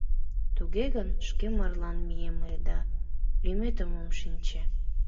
Туге гын шке марлан мием ыле да, лӱметым ом шинче.